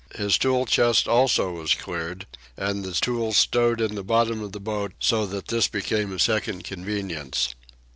His tool chest also was cleared and the tools stowed in the bottom of the boat so that this became a second convenience.